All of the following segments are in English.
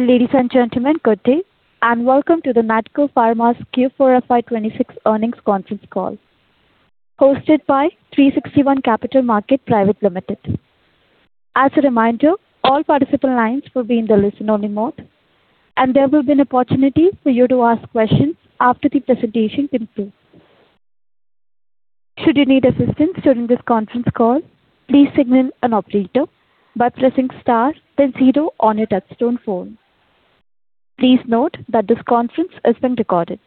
Ladies and gentlemen, good day, and welcome to the NATCO Pharma's Q4 FY 2026 earnings conference call, hosted by 360 ONE Capital Markets Private Limited. As a reminder, all participant lines will be in the listen-only mode, and there will be an opportunity for you to ask questions after the presentation concludes. Should you need assistance during this conference call, please signal an operator by pressing star then zero on your touchtone phone. Please note that this conference is being recorded.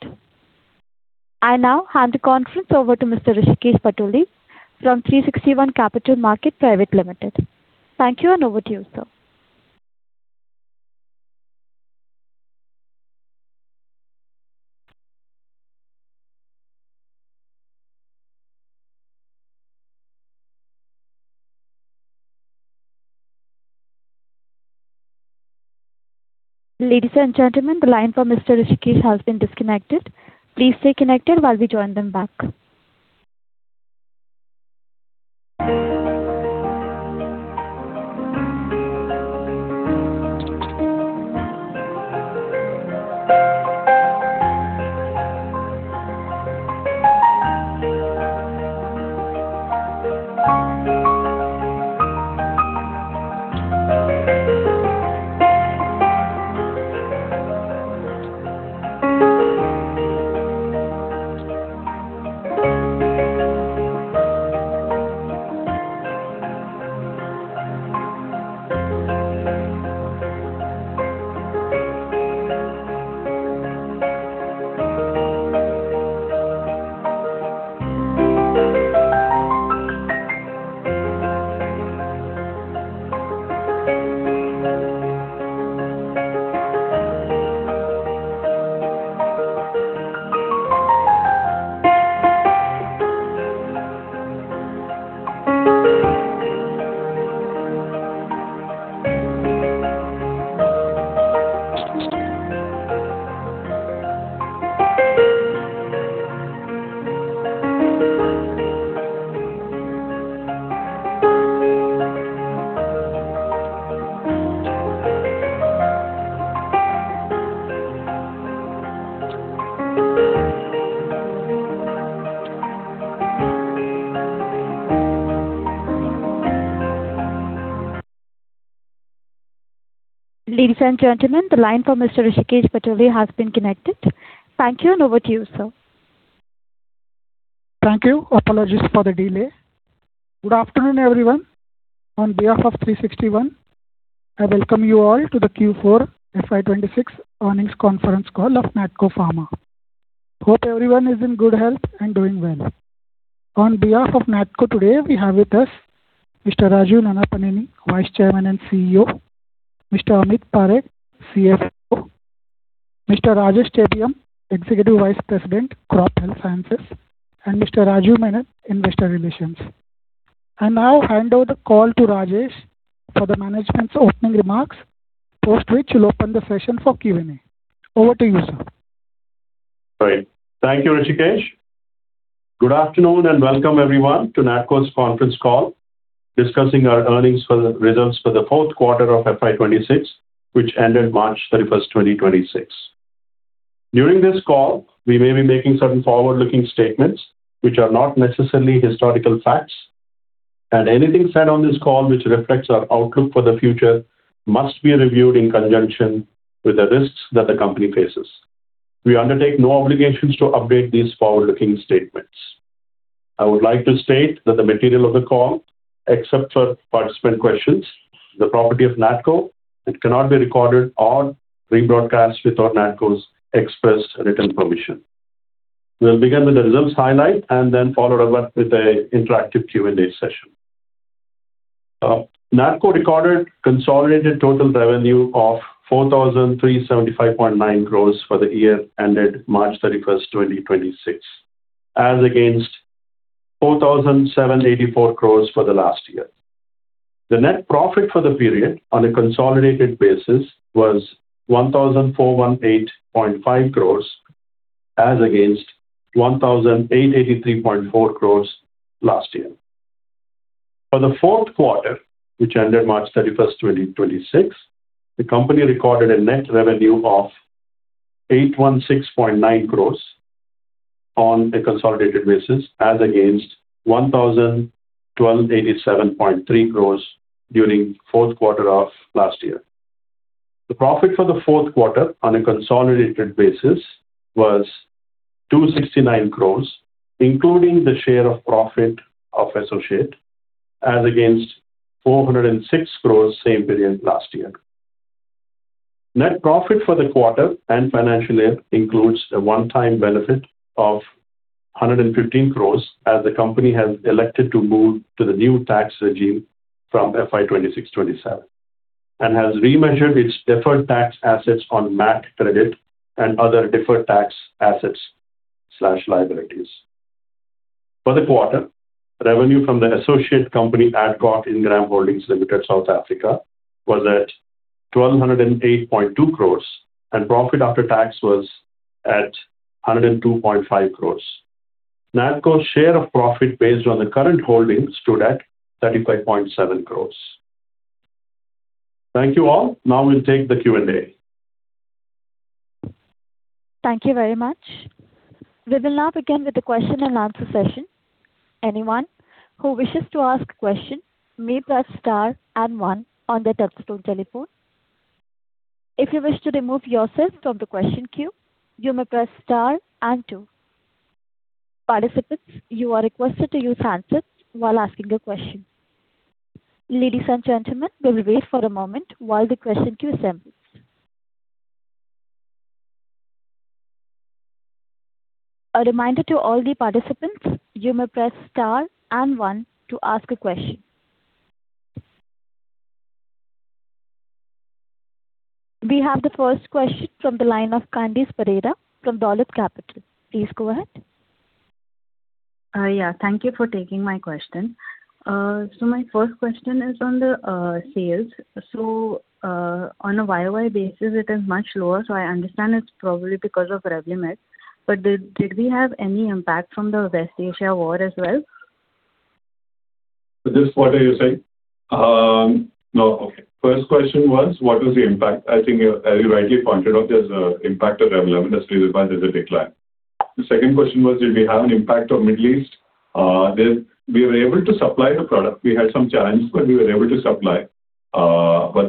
I now hand the conference over to Mr. Hrishikesh Patole from 360 ONE Capital Markets Private Limited. Thank you, and over to you, sir. Ladies and gentlemen, the line for Mr. Hrishikesh has been disconnected. Please stay connected while we join them back. Ladies and gentlemen, the line for Mr. Hrishikesh Patole has been connected. Thank you, and over to you, sir. Thank you. Apologies for the delay. Good afternoon, everyone. On behalf of 360 ONE, I welcome you all to the Q4 FY 2026 earnings conference call of NATCO Pharma. Hope everyone is in good health and doing well. On behalf of NATCO today, we have with us Mr. Rajeev Nannapaneni, Vice Chairman and CEO, Mr. Amit Parekh, CFO, Mr. Rajesh Chebiyam, Executive Vice President, Crop Health Sciences, and Mr. Rajeev Menon, Investor Relations. I now hand over the call to Rajesh for the management's opening remarks, post which we'll open the session for Q&A. Over to you, sir. Great. Thank you, Hrishikesh. Good afternoon and welcome everyone to NATCO's conference call discussing our earnings results for the fourth quarter of FY 2026, which ended March 31st, 2026. During this call, we may be making certain forward-looking statements, which are not necessarily historical facts, and anything said on this call which reflects our outlook for the future must be reviewed in conjunction with the risks that the company faces. We undertake no obligations to update these forward-looking statements. I would like to state that the material of the call, except for participant questions, is the property of NATCO. It cannot be recorded or rebroadcast without NATCO's express written permission. We'll begin with the results highlight and then followed up with the interactive Q&A session. NATCO recorded consolidated total revenue of 4,375.9 crore for the year ended March 31st, 2026, as against 4,784 crore for the last year. The net profit for the period on a consolidated basis was 1,418.5 crore as against 1,883.4 crore last year. For the fourth quarter, which ended March 31st, 2026, the company recorded a net revenue of 816.9 crore on a consolidated basis as against 1,287.3 crore during fourth quarter of last year. The profit for the fourth quarter on a consolidated basis was 269 crore, including the share of profit of associate, as against 406 crore the same period last year. Net profit for the quarter and financial year includes a one-time benefit of 115 crore as the company has elected to move to the new tax regime from FY 2026-2027, and has remeasured its deferred tax assets on MAT credit and other deferred tax assets/liabilities. For the quarter, revenue from the associate company, Adcock Ingram Holdings Limited, South Africa, was at 1,208.2 crore and profit after tax was at 102.5 crore. NATCO's share of profit based on the current holdings stood at 35.7 crores. Thank you all. We'll take the Q&A. Thank you very much. We will now begin with the question-and-answer session. Anyone who wishes to ask a question may press star and one on their telephone. If you wish to remove yourself from the question queue, you may press star and two. Participants, you are requested to use handsets while asking a question. Ladies and gentlemen, we will wait for a moment while the question queue assembles. A reminder to all the participants, you may press star and one to ask a question. We have the first question from the line of Candice Pereira from Dolat Capital. Please go ahead. Yeah. Thank you for taking my question. My first question is on the sales. On a YoY basis, it is much lower. I understand it's probably because of Revlimid, but did we have any impact from the West Asia war as well? This quarter you say? No. Okay. First question was, what was the impact? I think as you rightly pointed out, there's impact of Revlimid as stated by the decline. The second question was, did we have an impact of Middle East? We were able to supply the product. We had some challenge, but we were able to supply.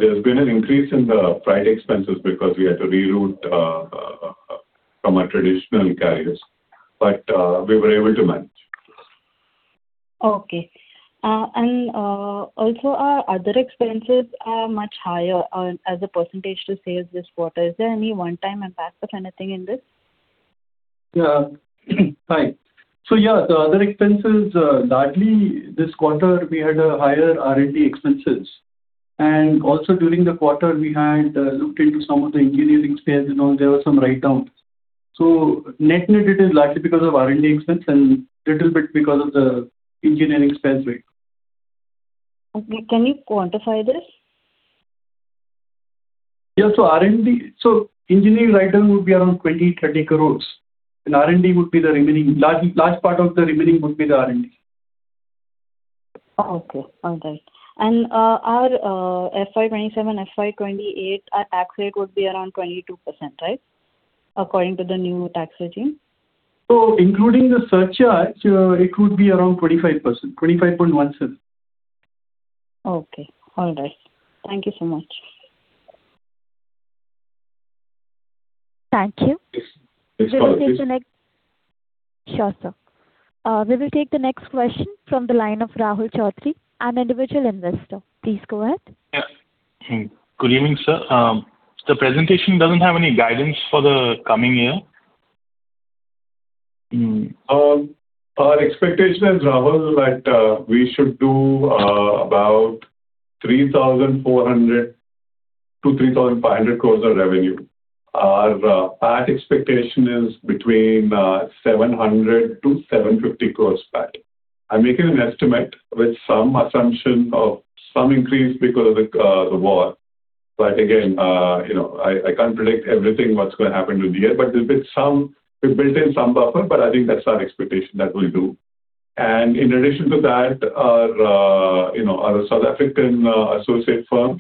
There's been an increase in the freight expenses because we had to reroute from our traditional carriers. We were able to manage. Okay. Also our other expenses are much higher as a percentage to sales this quarter. Is there any one-time impact or anything in this? Yeah. Right. Yeah, the other expenses, largely this quarter, we had higher R&D expenses. Also during the quarter, we had looked into some of the engineering spares and all. There were some write-downs. Net-net, it is largely because of R&D expense and little bit because of the engineering spares rate. Okay. Can you quantify this? Yeah. Engineering write-down would be around 20 crore-30 crore and large part of the remaining would be the R&D. Okay. All right. Our FY 2027, FY 2028, our tax rate would be around 22%, right? According to the new tax regime. Including the surcharge, it would be around 25%. 25.1%. Okay. All right. Thank you so much. Thank you. Yes. Sure, sir. We will take the next question from the line of Rahul Chaudhary, an individual investor. Please go ahead. Yeah. Good evening, sir. The presentation doesn't have any guidance for the coming year. Our expectation is, Rahul, that we should do about 3,400 crore-3,500 crore of revenue. Our PAT expectation is between 700 crore-750 crore PAT. I'm making an estimate with some assumption of some increase because of the war. Again, I can't predict everything what's going to happen to the year, but we've built in some buffer, but I think that's our expectation that we'll do. In addition to that, our South African associate firm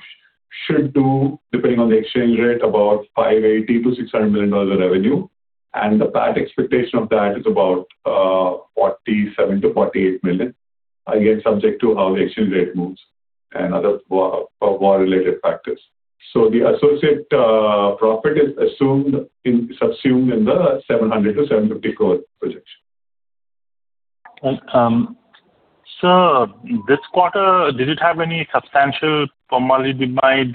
should do, depending on the exchange rate, about $580 million-$600 million of revenue. The PAT expectation of that is about $47 million-$48 million, again, subject to how the exchange rate moves and other war-related factors. The associate profit is subsumed in the 700 crore-750 crore projection. Sir, this quarter, did it have any substantial pomalidomide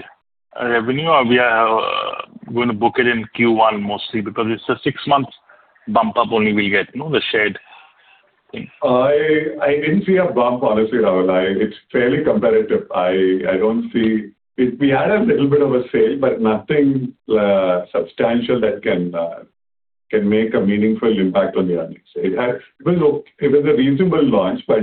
revenue, or we are going to book it in Q1 mostly because it's a six-month bump up only we'll get, the shared thing? I didn't see a bump, honestly, Rahul. It's fairly competitive. We had a little bit of a sale, but nothing substantial that can make a meaningful impact on the earnings. It was a reasonable launch, but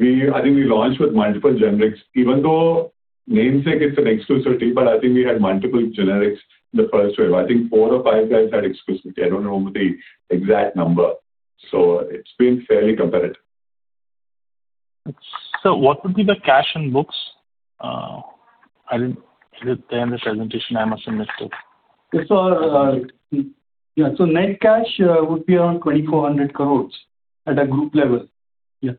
I think we launched with multiple generics, even though is an exclusivity, but I think we had multiple generics the first wave. I think four or five guys had exclusivity. I don't know the exact number. It's been fairly competitive. Sir, what would be the cash in books? It is there in the presentation, I must have missed it. Yeah. Net cash would be around 2,400 crores at a group level. Yeah.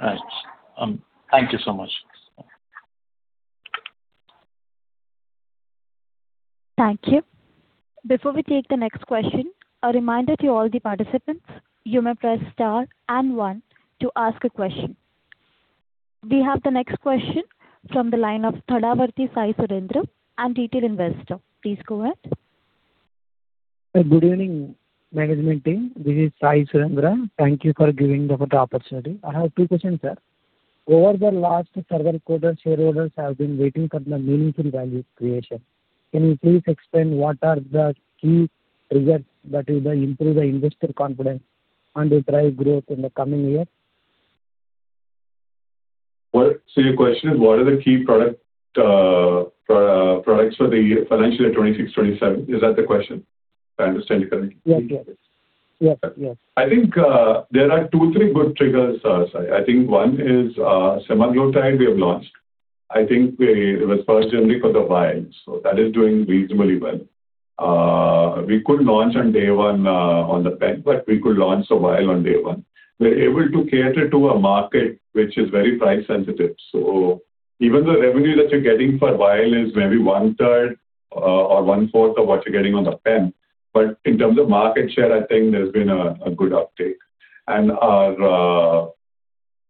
Right. Thank you so much. Thank you. Before we take the next question, a reminder to all the participants, you may press star and one to ask a question. We have the next question from the line of Thadavarthi Sai Surendra, a retail investor. Please go ahead. Good evening, management team. This is Sai Surendra. Thank you for giving the opportunity. I have two questions, sir. Over the last several quarters, shareholders have been waiting for the meaningful value creation. Can you please explain what are the key triggers that will improve the investor confidence and drive growth in the coming year? Your question is, what are the key products for the financial year 2026, 2027? Is that the question? Did I understand you correctly? Yes. Okay. I think there are two, three good triggers, Sai. I think one is semaglutide we have launched. I think we responded generally for the vials. That is doing reasonably well. We could launch on day one on the pen, we could launch a vial on day one. We're able to cater to a market which is very price sensitive. Even the revenue that you're getting per vial is maybe one-third or one-fourth of what you're getting on the pen. In terms of market share, I think there's been a good uptake.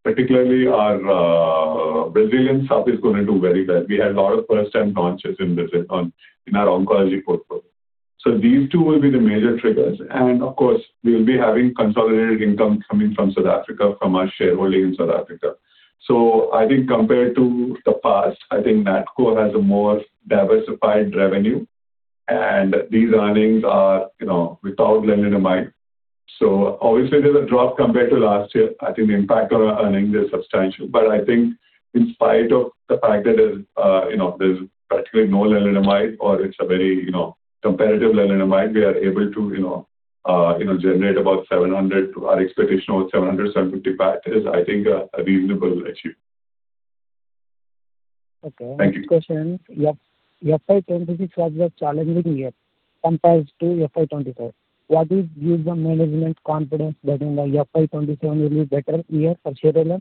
Particularly our Brazilian sub is going to do very well. We had a lot of first-time launches in our oncology portfolio. These two will be the major triggers. Of course, we will be having consolidated income coming from South Africa, from our shareholding in South Africa. I think compared to the past, I think NATCO has a more diversified revenue, and these earnings are without lenalidomide. Obviously, there's a drop compared to last year. I think the impact on our earnings is substantial. I think in spite of the fact that there's practically no lenalidomide or it's a very competitive lenalidomide, we are able to generate about 700. Our expectation of 750 basis points, I think, are reasonably achieved. Okay. Thank you. Next question. FY 2026 was a challenging year compared to FY 2025. What is giving the management confidence that FY 2027 will be a better year for shareholder?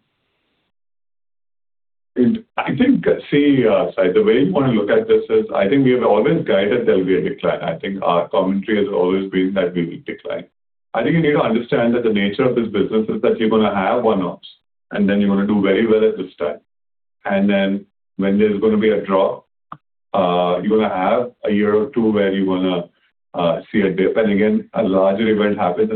I think, Sai, the way you want to look at this is, I think we have always guided there'll be a decline. I think our commentary has always been that we will decline. I think you need to understand that the nature of this business is that you're going to have one-offs, and then you're going to do very well at this time. Then when there's going to be a drop, you're going to have a year or two where you're going to see a dip. Again, a larger event happens.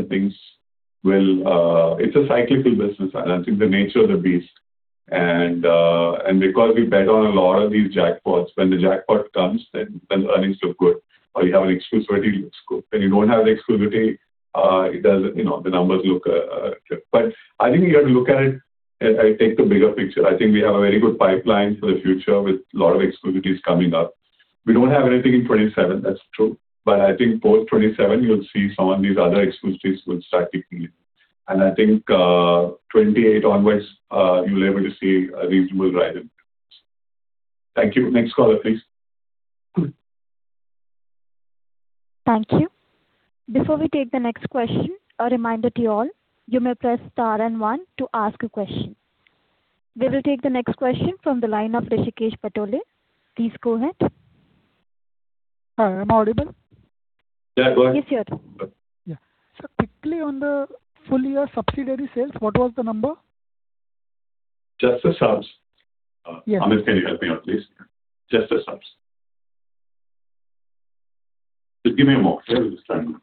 It's a cyclical business, and I think the nature of the beast. Because we bet on a lot of these jackpots, when the jackpot comes, then earnings look good or you have an exclusivity looks good. When you don't have the exclusivity, the numbers look a dip. I think you have to look at it and take the bigger picture. I think we have a very good pipeline for the future with a lot of exclusivities coming up. We don't have anything in 2027, that's true. I think post 2027, you'll see some of these other exclusivities will start kicking in. I think 2028 onwards you'll be able to see a reasonable ride in. Thank you. Next caller, please. Thank you. Before we take the next question, a reminder to you all, you may press star and one to ask a question. We will take the next question from the line of Hrishikesh Patole. Please go ahead. Hi, am I audible? Yeah, go ahead. Yes, you are. Yeah. quickly on the full-year subsidiary sales, what was the number? Just the subs? Yes. Amit, can you help me out, please? Just the subs. Just give me a moment. I'll just find.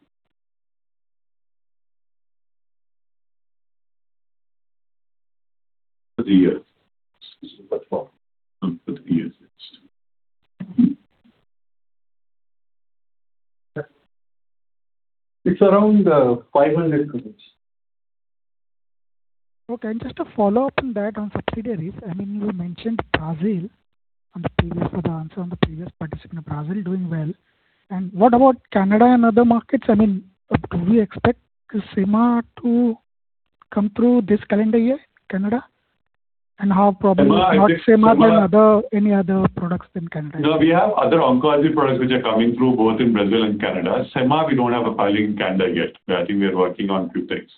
For three years. It's around 500 crores. Okay. Just a follow-up on that, on subsidiaries. You mentioned Brazil on the previous answer, on the previous participant, Brazil doing well. What about Canada and other markets? Do we expect semaglutide to come through this calendar year, Canada? Not sema, but any other products in Canada. No, we have other oncology products which are coming through both in Brazil and Canada. sema, we don't have a filing in Canada yet, but I think we are working on few things.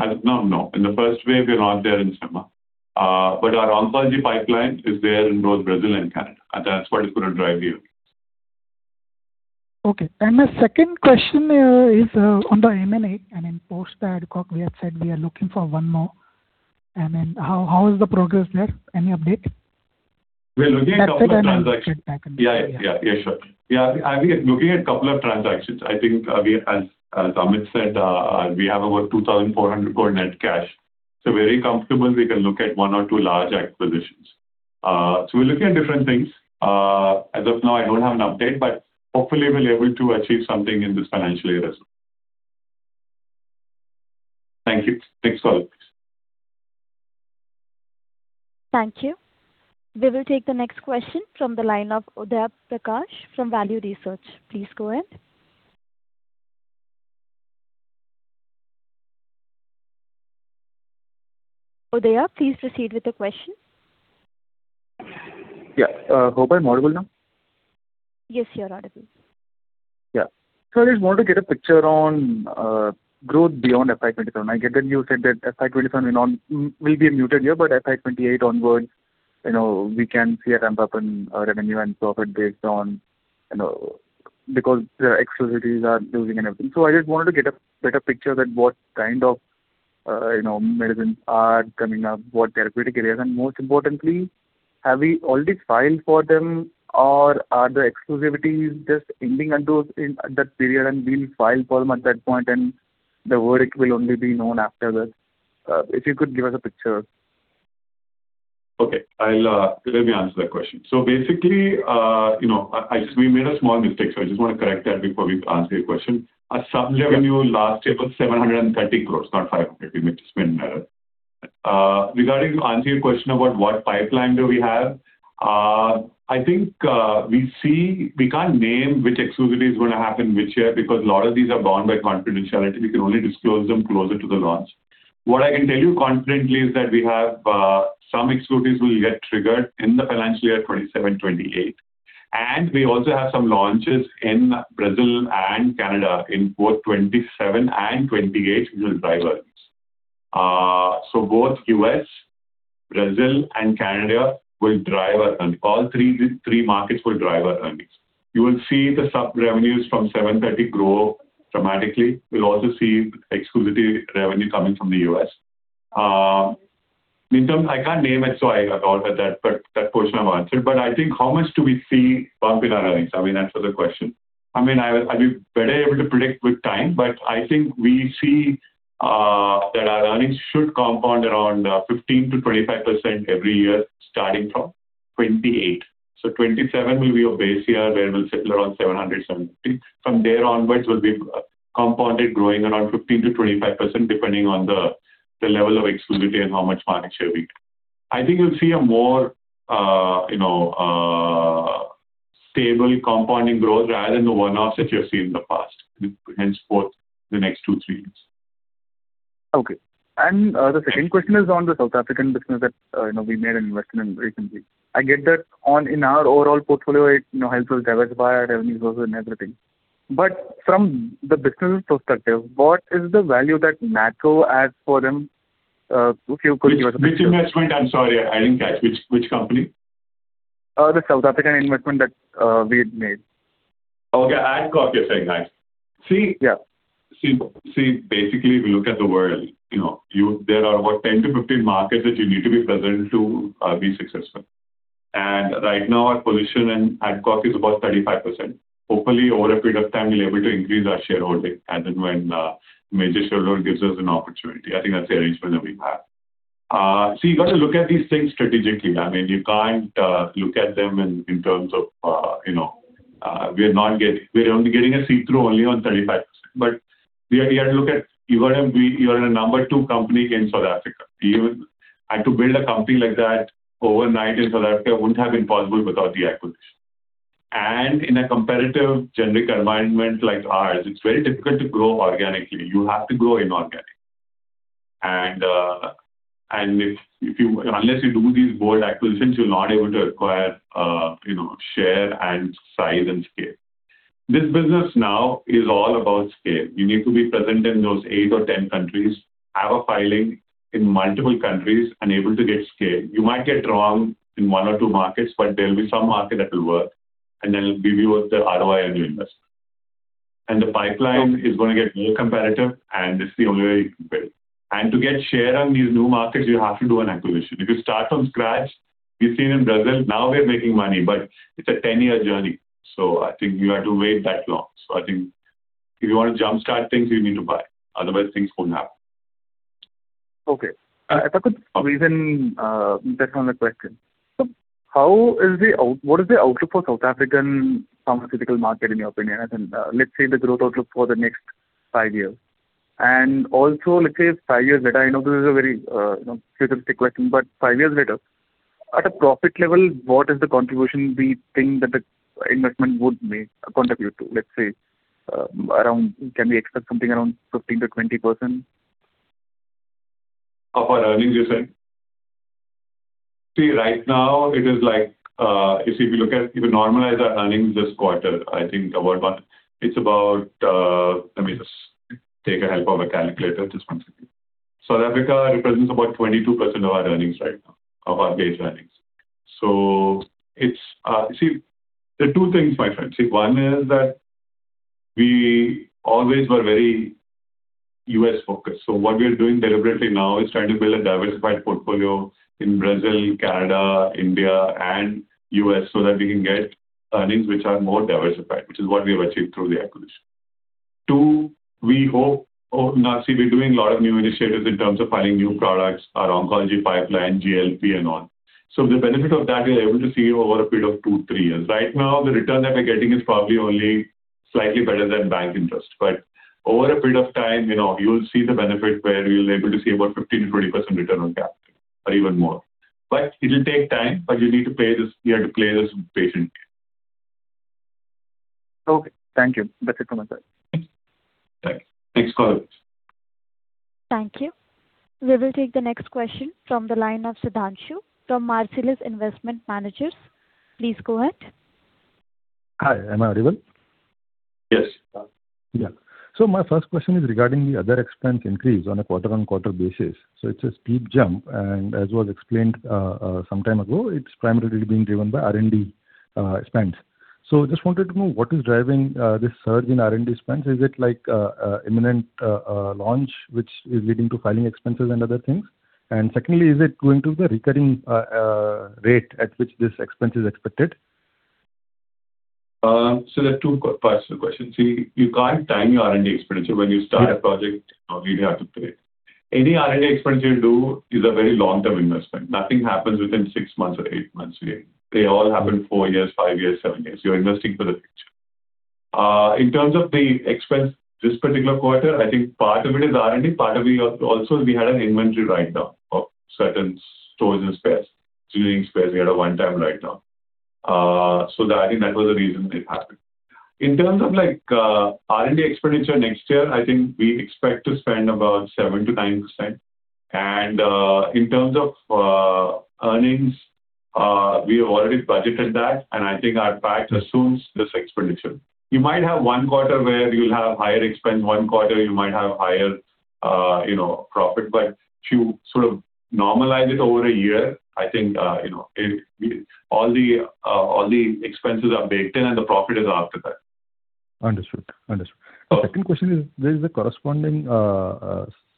As of now, no. In the first wave, we're not there in sema. Our oncology pipeline is there in both Brazil and Canada. That's what is going to drive here. Okay. My second question is on the M&A. In post the Adcock, we had said we are looking for one more. How is the progress there? Any update? We're looking at a couple of transactions. That's it. Yeah. Sure. Yeah, we are looking at a couple of transactions. I think as Amit said, we have about 2,400 crore net cash. Very comfortable we can look at one or two large acquisitions. We're looking at different things. As of now, I don't have an update, but hopefully we will be able to achieve something in this financial year as well. Thank you. Next caller, please. Thank you. We will take the next question from the line of Udhayaprakash from Value Research. Please go ahead. Udhaya, please proceed with the question. Yeah. Hope I'm audible now. Yes, you are audible. Yeah. I just wanted to get a picture on growth beyond FY 2027. I get that you said that FY 2027 will be a muted year. FY 2028 onwards, we can see a ramp-up in revenue and profit, because the exclusivities are losing and everything. I just wanted to get a better picture that what kind of medicines are coming up, what therapeutic areas, and most importantly, have we already filed for them or are the exclusivities just ending until that period and we'll file for them at that point and the verdict will only be known after that? If you could give us a picture. Okay. Let me answer that question. Basically, we made a small mistake, so I just want to correct that before we answer your question. Our sub-revenue last year was 730 crore, not 500. Regarding your question about what pipeline we have. We can't name which exclusivity is going to happen which year, because a lot of these are bound by confidentiality. We can only disclose them closer to the launch. What I can tell you confidently is that we have some exclusivities will get triggered in the financial year 2027/2028, and we also have some launches in Brazil and Canada in both 2027 and 2028, which will drive earnings. Both U.S., Brazil, and Canada will drive our earnings. All three markets will drive our earnings. You will see the sub-revenues from 730 grow dramatically. You'll also see exclusivity revenue coming from the US. I can't name it, so I thought that portion I've answered. I think how much do we see bump in our earnings? I mean, that's the question. I'll be better able to predict with time. I think we see that our earnings should compound around 15%-25% every year, starting from 2028. 2027 will be our base year where we'll settle around 770. From there onwards, we'll be compounded growing around 15%-25%, depending on the level of exclusivity and how much market share we get. I think you'll see a more stable compounding growth rather than the one-offs that you have seen in the past, henceforth, the next two, three years. Okay. The second question is on the South African business that we made an investment in recently. I get that in our overall portfolio, it helps us diversify our revenues also and everything. But from the business perspective, what is the value that NATCO adds for them? If you could give us a picture. Which investment? I'm sorry, I didn't catch. Which company? The South African investment that we had made. Okay. Adcock you're saying, right? Yeah. Basically, if you look at the world, there are about 10 to 15 markets that you need to be present to be successful. Right now, our position in Adcock is about 35%. Hopefully, over a period of time, we'll be able to increase our shareholding and then when a major shareholder gives us an opportunity. I think that's the arrangement that we have. You've got to look at these things strategically. You can't look at them in terms of we're only getting a seat through only on 35%. You're a number two company in South Africa. To build a company like that overnight in South Africa wouldn't have been possible without the acquisition. In a competitive generic environment like ours, it's very difficult to grow organically. You have to grow inorganically. Unless you do these bold acquisitions, you're not able to acquire share and size and scale. This business now is all about scale. You need to be present in those eight or 10 countries, have a filing in multiple countries, and able to get scale. You might get wrong in one or two markets, but there'll be some market that will work, and then it'll give you the ROI on your investment. The pipeline is going to get more competitive, and this is the only way you can build. To get share on these new markets, you have to do an acquisition. If you start from scratch, we've seen in Brazil, now we're making money, but it's a 10-year journey. I think you have to wait that long. I think if you want to jumpstart things, you need to buy, otherwise things won't happen. Okay. If I could reason, second one question. What is the outlook for South African pharmaceutical market, in your opinion? Let's say the growth outlook for the next five years. Also, let's say it's five years later. I know this is a very futuristic question, five years later, at a profit level, what is the contribution we think that the investment would contribute to? Let's say, can we expect something around 15%-20%? Of our earnings, you're saying? Right now, if you normalize our earnings this quarter, I think it's about. South Africa represents about 22% of our earnings right now, of our base earnings. There are two things, my friend. One is that we always were very U.S.-focused. What we're doing deliberately now is trying to build a diversified portfolio in Brazil, Canada, India, and U.S. so that we can get earnings which are more diversified, which is what we have achieved through the acquisition. Two, we're doing a lot of new initiatives in terms of filing new products, our oncology pipeline, GLP, and all. The benefit of that, we are able to see over a period of two, three years. Right now, the return that we're getting is probably only slightly better than bank interest. Over a period of time, you'll see the benefit where we'll able to see about 15%-20% return on capital or even more. It will take time, but you have to play this patiently. Okay. Thank you. That's it from my side. Thanks. Thanks for calling. Thank you. We will take the next question from the line of Sudhanshu from Marcellus Investment Managers. Please go ahead. Hi, am I audible? Yes. My first question is regarding the other expense increase on a quarter-on-quarter basis. It's a steep jump, and as was explained some time ago, it's primarily being driven by R&D spends. Just wanted to know what is driving this surge in R&D spends. Is it like imminent launch, which is leading to filing expenses and other things? Secondly, is it going to be a recurring rate at which this expense is expected? There are two parts to the question. See, you can't time your R&D expenditure. When you start a project, you have to pay. Any R&D expenditure you do is a very long-term investment. Nothing happens within six months or eight months. They all happen four years, five years, seven years. You're investing for the future. In terms of the expense this particular quarter, I think part of it is R&D, part of it also is we had an inventory write-down of certain storage and spares. We had a one-time write-down. I think that was the reason it happened. In terms of R&D expenditure next year, I think we expect to spend about 7%-9%. In terms of earnings, we have already budgeted that, and I think our forecast assumes this expenditure. You might have one quarter where you'll have higher expense, one quarter you might have higher profit, but if you normalize it over a year, I think all the expenses are baked in and the profit is after that. Understood. Okay. The second question is, there is a corresponding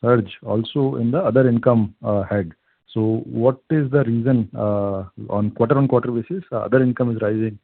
surge also in the other income head. What is the reason on quarter-on-quarter basis other income is rising?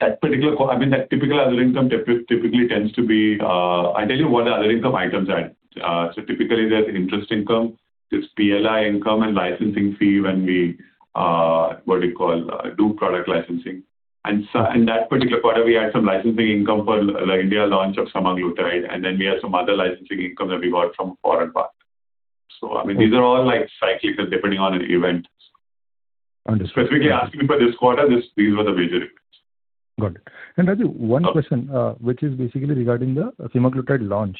That typical other income typically tends to be I'll tell you what the other income items are. Typically there's interest income, there's PLI income and licensing fee when we do product licensing. In that particular quarter, we had some licensing income for the India launch of semaglutide, and then we had some other licensing income that we got from foreign partners. These are all cyclical depending on an event. Understood. Specifically asking for this quarter, these were the major incomes. Got it. Rajeev, one question, which is basically regarding the semaglutide launch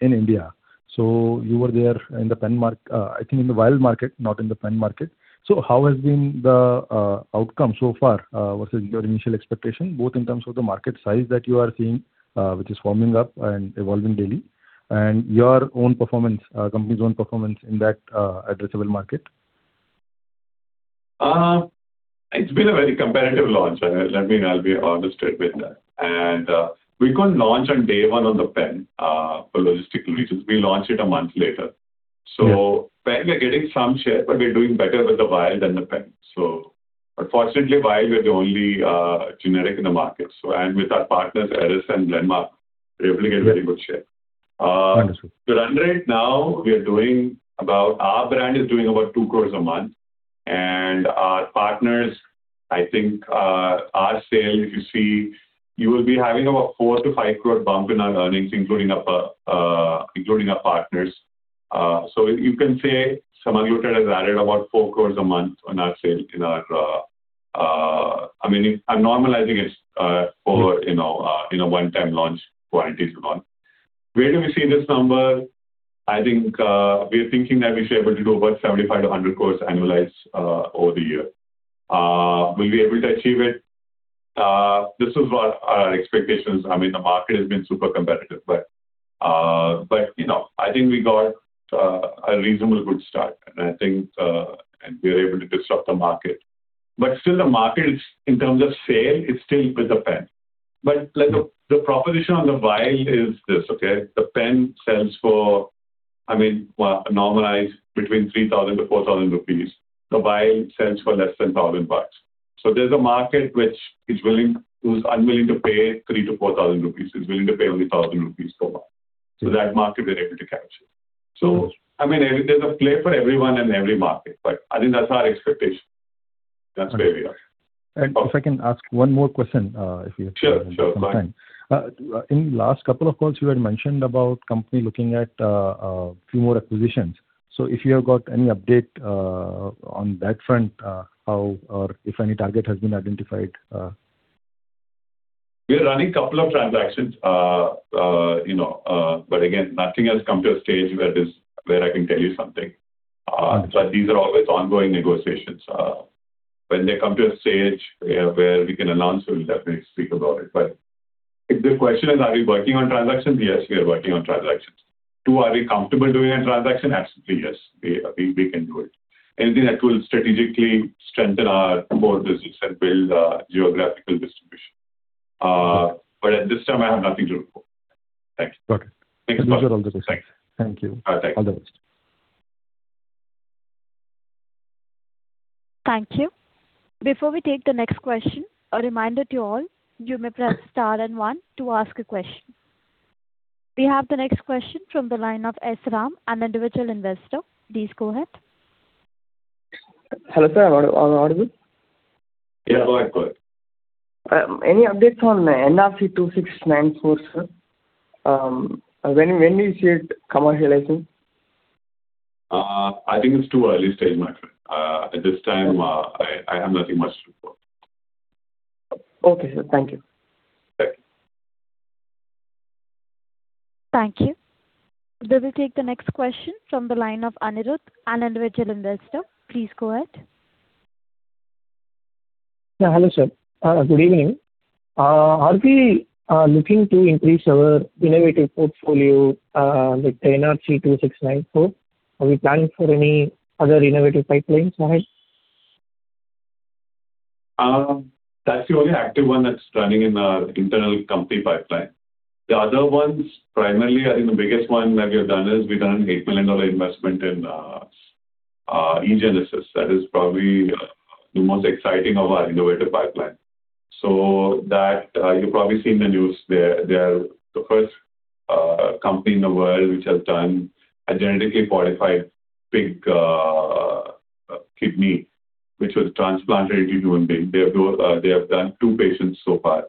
in India. You were there in the pen market, I think in the vial market, not in the pen market. How has been the outcome so far versus your initial expectation, both in terms of the market size that you are seeing, which is forming up and evolving daily, and your own performance, company's own performance in that addressable market? It's been a very competitive launch. I'll be honest with that. We couldn't launch on day one on the pen, for logistical reasons. We launched it a month later. Yeah. Pen, we're getting some share, but we're doing better with the vial than the pen. Fortunately, vial, we are the only generic in the market. With our partners, ERIS and Glenmark, we're able to get very good share. Understood. The run rate now, our brand is doing about 2 crores a month. Our partners, I think our sale, if you see, you will be having about 4-5 crore bump in our earnings, including our partners. You can say semaglutide has added about 4 crores a month on our sale. A one-time launch quantities and all. Where do we see this number? We're thinking that we should be able to do about 75-100 crores annualized over the year. Will we be able to achieve it? This is what our expectation is. The market has been super competitive. I think we got a reasonably good start, and we're able to disrupt the market. Still the market, in terms of sale, it's still with the pen. The proposition on the vial is this, okay. The pen sells for, normalized between 3,000-4,000 rupees. The vial sells for less than INR 1,000. There's a market who's unwilling to pay 3,000-4,000 rupees, is willing to pay only 1,000 rupees for one. That market, we're able to capture. There's a play for everyone in every market, but I think that's our expectation. That's where we are. If I can ask one more question. Sure. -some time. Fine. In last couple of calls, you had mentioned about company looking at a few more acquisitions. If you have got any update on that front, how or if any target has been identified? We are running couple of transactions, but again, nothing has come to a stage where I can tell you something. Understood. These are always ongoing negotiations. When they come to a stage where we can announce, we'll definitely speak about it. If the question is, are we working on transactions? Yes, we are working on transactions. Two, are we comfortable doing a transaction? Absolutely, yes. We can do it. Anything that will strategically strengthen our core business and build our geographical distribution. At this time, I have nothing to report. Thanks. Got it. Thanks a lot. Wish you all the best. Thanks. Thank you. All the best. Thank you. Before we take the next question, a reminder to all, you may press star and one to ask a question. We have the next question from the line of S. Ram, an individual investor. Please go ahead. Hello, sir. I'm audible? Yeah. Go ahead. Any updates on NRC-2694, sir? When do you see it commercializing? I think it's too early stage, my friend. At this time, I have nothing much to report. Okay, sir. Thank you. Thank you. Thank you. We will take the next question from the line of Anirudh, an individual investor. Please go ahead. Yeah. Hello, sir. Good evening. Are we looking to increase our innovative portfolio with NRC-2694? Are we planning for any other innovative pipelines ahead? That's the only active one that's running in our internal company pipeline. The other ones, primarily, the biggest one that we have done is we've done an INR 8 million investment in eGenesis. That is probably the most exciting of our innovative pipeline. You've probably seen the news. They are the first company in the world which has done a genetically fortified pig kidney, which was transplanted into human being. They have done two patients so far,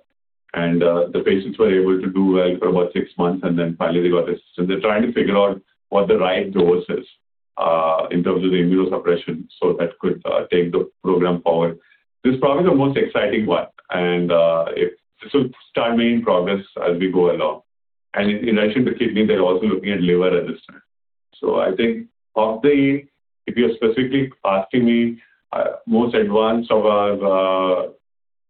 and the patients were able to do well for about six months, and then finally they got this. They're trying to figure out what the right dose is in terms of the immunosuppression so that could take the program forward. This is probably the most exciting one, and this will stay main progress as we go along. In addition to kidney, they're also looking at liver as this time. I think if you're specifically asking me most advanced of our,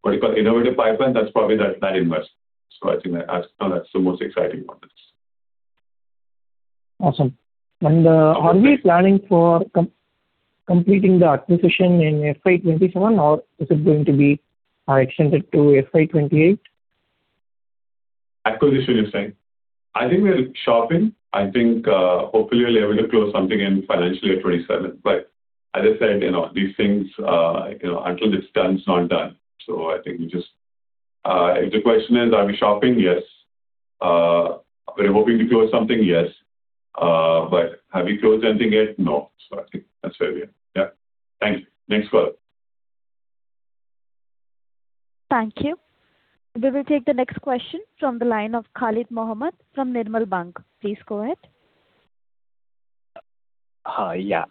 what do you call, innovative pipeline, that's probably that investment. I think that's the most exciting one. Awesome. Are we planning for completing the acquisition in FY27 or is it going to be extended to FY28? Acquisition, you're saying? I think we're shopping. I think, hopefully we're able to close something in financial year 2027. As I said, these things, until it's done, it's not done. I think if the question is, are we shopping? Yes. Are we hoping to close something? Yes. Have we closed anything yet? No. I think that's where we are. Yeah. Thanks. Thanks, Anirudh. Thank you. We will take the next question from the line of [Khalid Mohammed] from Nirmal Bang. Please go ahead. Hi. Yeah.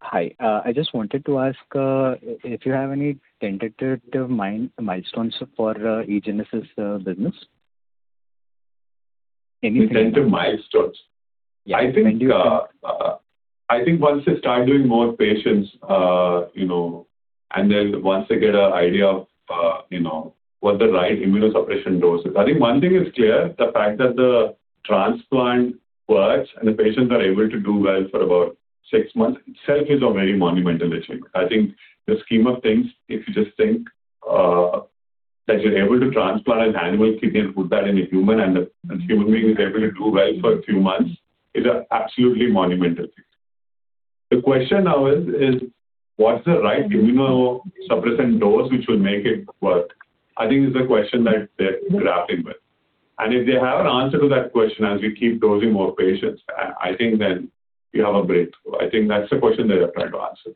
Hi. I just wanted to ask if you have any tentative milestones for eGenesis business? Tentative milestones? Yeah. I think once they start doing more patients, and then once they get an idea of what the right immunosuppression dose is. I think one thing is clear, the fact that the transplant works and the patients are able to do well for about six months itself is a very monumental achievement. I think the scheme of things, if you just think, that you're able to transplant an animal kidney and put that in a human and the human being is able to do well for a few months is absolutely monumental. The question now is: What's the right immunosuppressant dose which will make it work? I think it's a question that they're grappling with. If they have an answer to that question as we keep dosing more patients, I think then we have a breakthrough. I think that's the question they are trying to answer.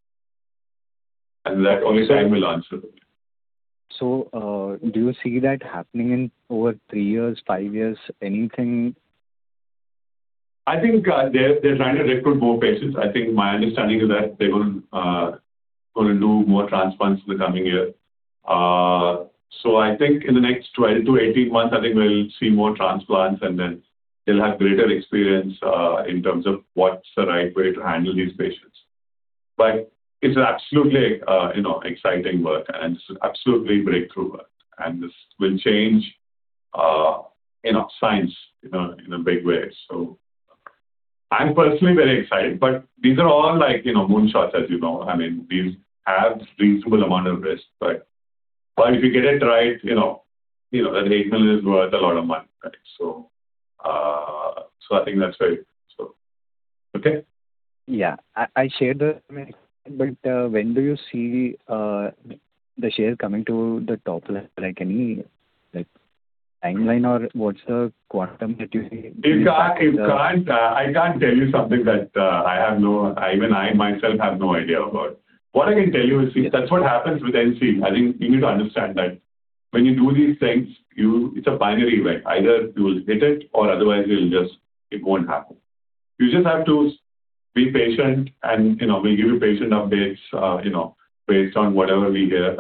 That only time will answer it. Do you see that happening in over three years, five years, anything? I think they're trying to recruit more patients. I think my understanding is that they're going to do more transplants in the coming year. I think in the next 12 to 18 months, I think we'll see more transplants, and then they'll have greater experience, in terms of what's the right way to handle these patients. It's absolutely exciting work and it's absolutely breakthrough work, and this will change science in a big way. I'm personally very excited, these are all moon shots, as you know. These have reasonable amount of risk. If you get it right, that 8 million is worth a lot of money. I think that's very cool. Okay? Yeah. I share the but when do you see the shares coming to the top line? Like any timeline or what's the quantum that you think will impact the- I can't tell you something that even I myself have no idea about. What I can tell you is, see, that's what happens with. I think you need to understand that when you do these things, it's a binary event. Either you'll hit it or otherwise it won't happen. You just have to be patient and we'll give you patient updates based on whatever we hear.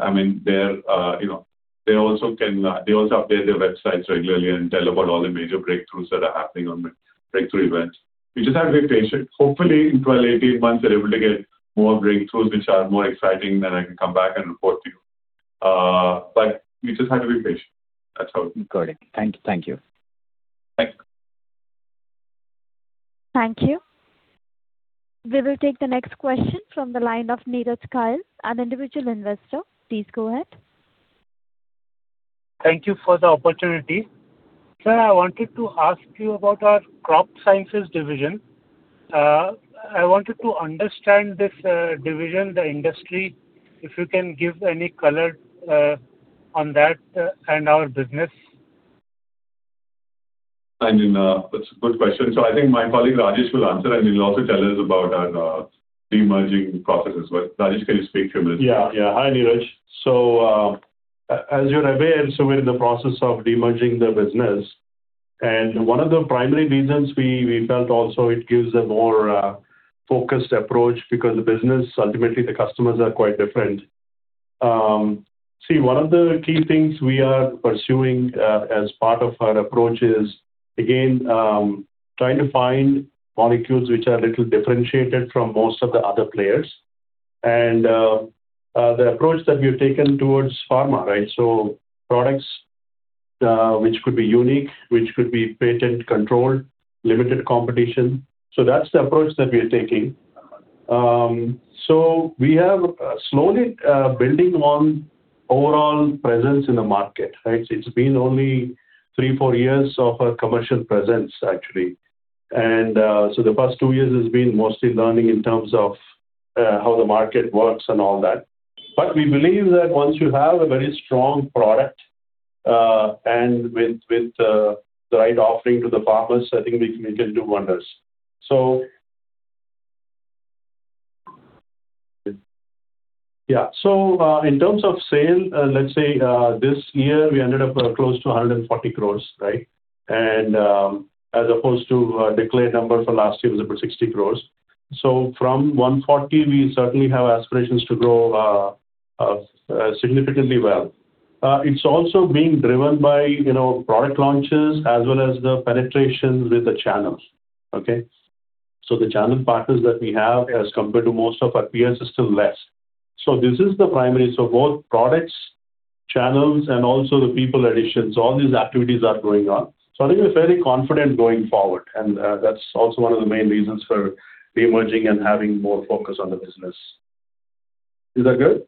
They also update their websites regularly and tell about all the major breakthroughs that are happening on the breakthrough events. We just have to be patient. Hopefully, in 12 to 18 months, they're able to get more breakthroughs which are more exciting, then I can come back and report to you. But we just have to be patient. That's all. Got it. Thank you. Thanks. Thank you. We will take the next question from the line of Neeraj Kiles, an individual investor. Please go ahead. Thank you for the opportunity. Sir, I wanted to ask you about our Crop Health Sciences division. I wanted to understand this division, the industry, if you can give any color on that and our business. That's a good question. I think my colleague Rajesh will answer and he'll also tell us about our demerging processes. Rajesh, can you speak for a minute? Yeah. Hi, Neeraj. As you're aware, so we're in the process of demerging the business, and one of the primary reasons we felt also it gives a more focused approach because the business, ultimately the customers are quite different. One of the key things we are pursuing, as part of our approach is, again, trying to find molecules which are a little differentiated from most of the other players. The approach that we've taken towards pharma, right, products which could be unique, which could be patent-controlled, limited competition. That's the approach that we're taking. We have slowly building on overall presence in the market, right? It's been only three, four years of our commercial presence, actually. The past two years has been mostly learning in terms of how the market works and all that. We believe that once you have a very strong product, and with the right offering to the farmers, I think we can do wonders. In terms of sale, let's say this year we ended up close to 140 crore, right? As opposed to declared number for last year was about 60 crore. From 140, we certainly have aspirations to grow significantly well. It's also being driven by product launches as well as the penetration with the channels. Okay? The channel partners that we have, as compared to most of our peers, is still less. This is the primary. Both products, channels, and also the people addition. All these activities are going on. I think we're very confident going forward, and that's also one of the main reasons for demerging and having more focus on the business. Is that good?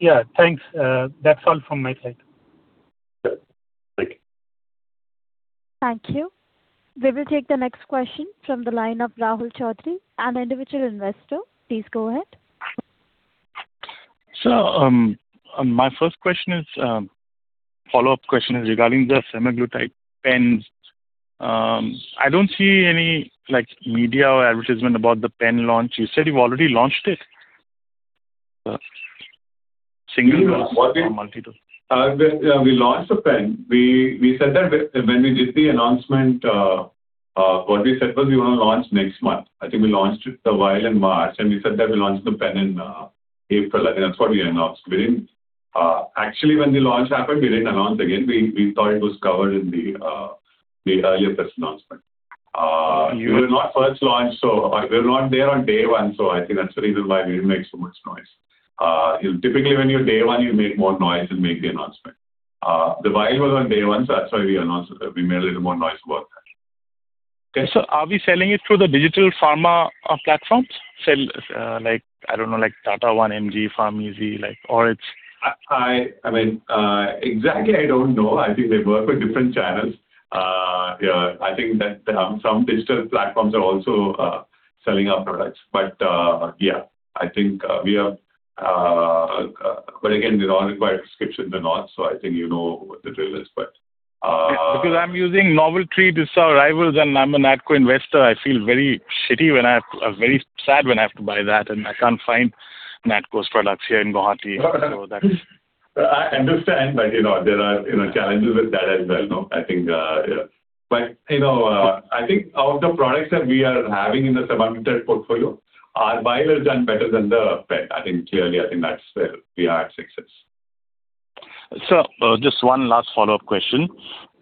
Yeah. Thanks. That's all from my side. Good. Thank you. Thank you. We will take the next question from the line of Rahul Chaudhary, an individual investor. Please go ahead. Sir, my first follow-up question is regarding the semaglutide pens. I don't see any media or advertisement about the pen launch. You said you've already launched it. Single dose or multi dose? We launched the pen. When we did the announcement, what we said was we want to launch next month. I think we launched it, the vial, in March, and we said that we'll launch the pen in April. I think that's what we announced. Actually, when the launch happened, we didn't announce again. We thought it was covered in the earlier press announcement. We were not first launch, we were not there on day one. I think that's the reason why we didn't make so much noise. Typically, when you're day one, you make more noise and make the announcement. The vial was on day one, that's why we made a little more noise about that. Okay. Are we selling it through the digital pharma platforms? Sell like, I don't know, like Tata 1mg, PharmEasy. Exactly, I don't know. I think they work with different channels. I think that some digital platforms are also selling our products. Again, they're all required prescription, they're not, so I think you know what the deal is. I'm using Novelty, this is our rivals, and I'm a NATCO investor. I feel very sad when I have to buy that and I can't find NATCO's products here in Guwahati. I understand. There are challenges with that as well though, I think. I think out of the products that we are having in the semaglutide portfolio, our vial has done better than the pen. I think clearly, I think that's where we had success. Sir, just one last follow-up question.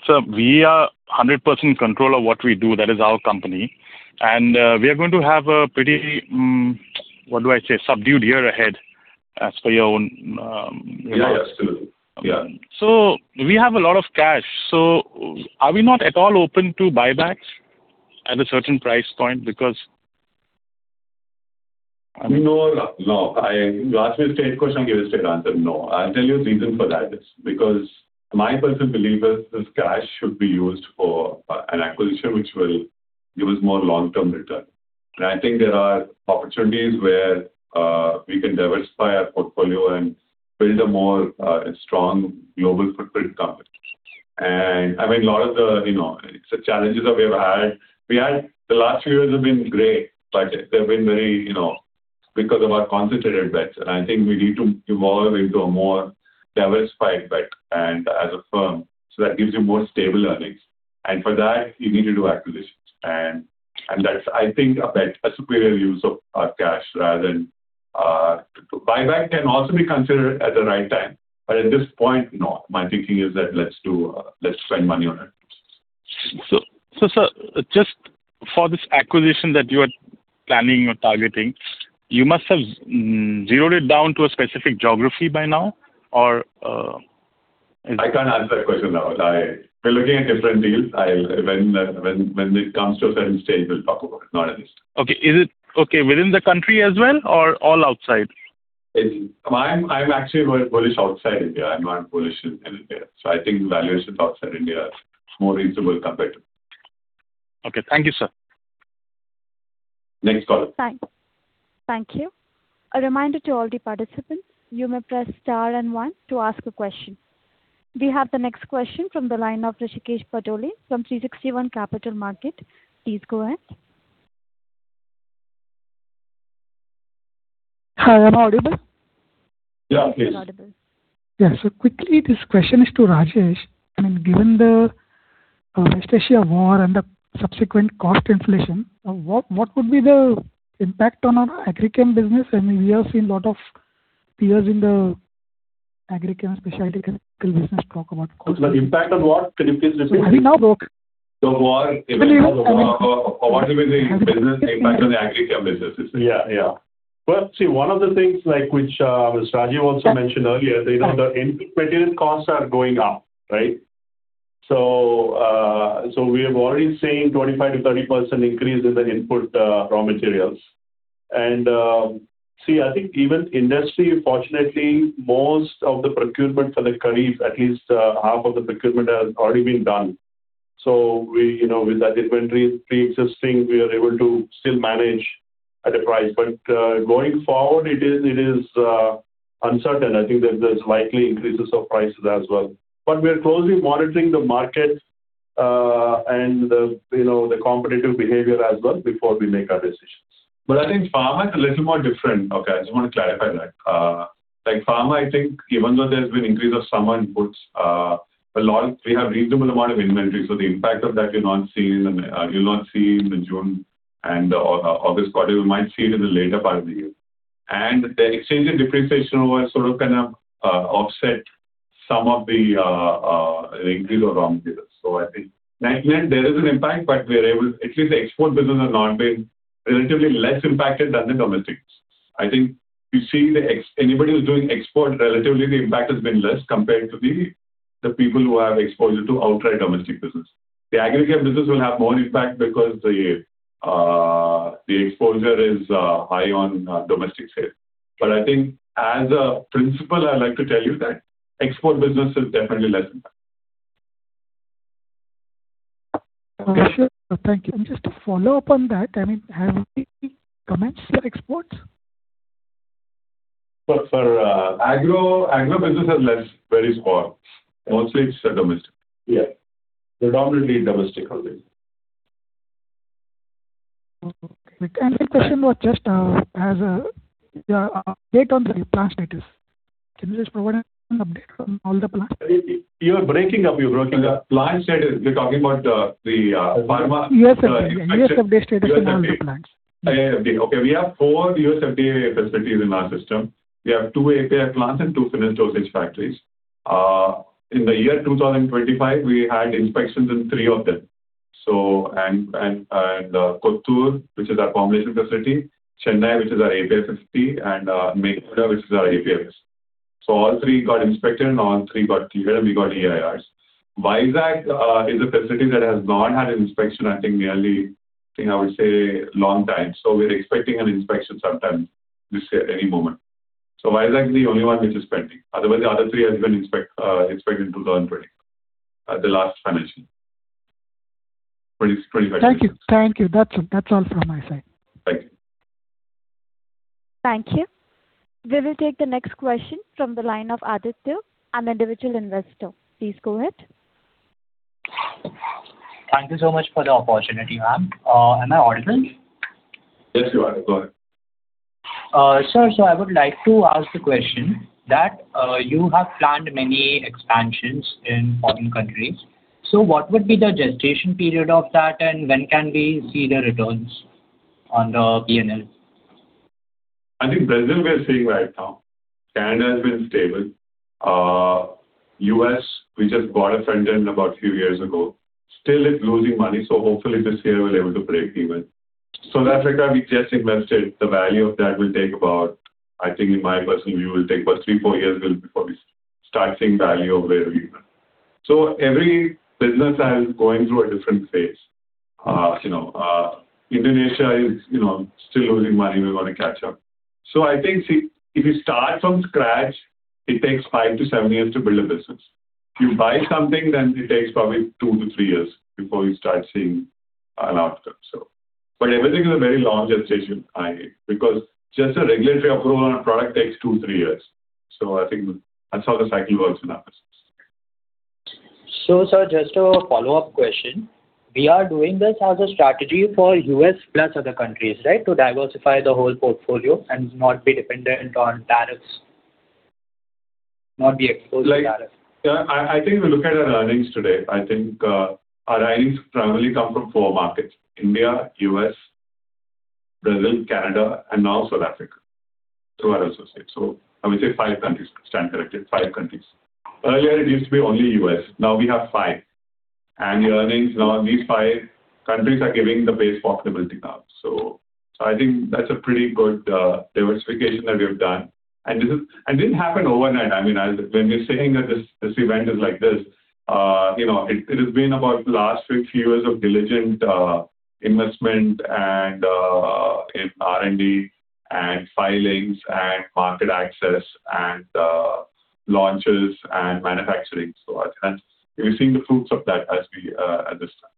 Sir, we are 100% in control of what we do. That is our company. We are going to have a pretty, what do I say, subdued year ahead. Yeah, that's true. Yeah. We have a lot of cash. Are we not at all open to buybacks at a certain price point? No. You asked me a straight question, I'll give you a straight answer. No. I'll tell you a reason for that. It's because my personal belief is this cash should be used for an acquisition which will give us more long-term return. I think there are opportunities where we can diversify our portfolio and build a more strong global footprint company. It's the challenges that we have had. The last few years have been great, but they've been very, you know, because of our concentrated bets, I think we need to evolve into a more diversified bet as a firm, that gives you more stable earnings. For that, you need to do acquisitions. That's, I think, a bet, a superior use of our cash rather than buyback can also be considered at the right time, at this point, no. My thinking is that let's spend money on acquisitions. Sir, just for this acquisition that you are planning or targeting, you must have zeroed it down to a specific geography by now? I can't answer that question now. We're looking at different deals. When it comes to a certain stage, we'll talk about it. Not at this time. Okay. Is it within the country as well or all outside? I'm actually very bullish outside India. I'm not bullish in India. I think valuations outside India are more reasonable compared to. Okay. Thank you, sir. Next caller. Thank you. A reminder to all the participants, you may press star and one to ask a question. We have the next question from the line of Hrishikesh Patole from 360 ONE Capital Markets. Please go ahead. Hi, am I audible? Yeah, please. Yeah. Quickly, this question is to Rajesh. Given the Russia-Ukraine war and the subsequent cost inflation, what would be the impact on our agri-chem business? We have seen lot of peers in the agri-chem, specialty chemical business talk about. The impact on what? Can you please repeat the question? I mean now though. The war, impact on what do you mean the business, impact on the agri-chem business. Is it? Yeah. Well, see, one of the things which Rajeev also mentioned earlier, the input material costs are going up, right? We are already seeing 25%-30% increase in the input raw materials. See, I think even industry, fortunately, most of the procurement for the kharif, at least half of the procurement has already been done. With that inventory preexisting, we are able to still manage at a price. Going forward, it is uncertain. I think there's likely increases of prices as well. We are closely monitoring the market and the competitive behavior as well before we make our decisions. I think pharma is a little more different. Okay, I just want to clarify that. Pharma, I think, even though there's been increase of some inputs, we have reasonable amount of inventory, so the impact of that you'll not see in the June and the August quarter. You might see it in the later part of the year. The exchange and depreciation was sort of kind of offset some of the increase or raw increases. I think net-net there is an impact, but at least the export business has been relatively less impacted than the domestic business. I think anybody who's doing export, relatively, the impact has been less compared to the people who have exposure to outright domestic business. The agriculture business will have more impact because the exposure is high on domestic sales. I think as a principle, I'd like to tell you that export business is definitely less impacted. Sure. Thank you. Just to follow up on that, have we commenced your exports? For agro business has less, very small. Mostly it's domestic. Yeah. Predominantly domestic only. Okay. My question was just as an update on the plant status. Can you just provide an update on all the plants? You're breaking up. Plant status, you're talking about the. U.S. FDA. U.S FDA status of all the plants. U.S. FDA. Okay. We have four U.S. FDA facilities in our system. We have two API plants and two finished dosage factories. In the year 2025, we had inspections in three of them. In Kothur, which is our formulation facility, Chennai, which is our API facility, and Mekaguda, which is our API. All three got inspected, and all three got cleared, and we got EIRs. Vizag is a facility that has not had inspection, I think, in a long time. We're expecting an inspection sometime this year, any moment. Vizag is the only one which is pending. Otherwise, the other three has been inspected in 2020, the last financial. Thank you. That's all from my side. Thank you. Thank you. We will take the next question from the line of Aditya, an individual investor. Please go ahead. Thank you so much for the opportunity, ma'am. Am I audible? Yes, you are. Go ahead. Sir, I would like to ask the question that you have planned many expansions in foreign countries. What would be the gestation period of that, and when can we see the returns on the P&L? I think Brazil we are seeing right now. Canada has been stable. U.S., we just bought a front-end about a few years ago. Still it's losing money, so hopefully this year we're able to break even. South Africa, we just invested. The value of that will take about, I think in my personal view, it will take about three, four years before we start seeing value over there even. Every business is going through a different phase. Indonesia is still losing money. We want to catch up. I think, see, if you start from scratch, it takes five to seven years to build a business. If you buy something, then it takes probably two to three years before you start seeing an outcome. Everything is a very long gestation period, because just the regulatory approval on a product takes two, three years. I think that's how the cycle works in our business. Sir, just a follow-up question. We are doing this as a strategy for U.S. plus other countries, right? To diversify the whole portfolio and not be dependent on tariffs, not be exposed to tariffs. I think if you look at our earnings today, I think our earnings primarily come from four markets, India, U.S., Brazil, Canada, and now South Africa through our associates. I would say five countries. Stand corrected, five countries. Earlier it used to be only U.S. Now we have five. The earnings, now these five countries are giving the base profitability now. I think that's a pretty good diversification that we have done. Didn't happen overnight. When we're saying that this event is like this, it has been about the last six years of diligent investment and in R&D and filings and market access and launches and manufacturing. We're seeing the fruits of that as this time.